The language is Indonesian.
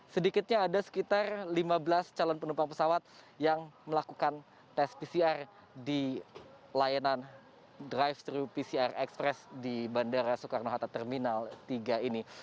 sedikitnya ada sekitar lima belas calon penumpang pesawat yang melakukan tes pcr di layanan drive thru pcr express di bandara soekarno hatta terminal tiga ini